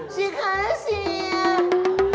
ชิคาเซีย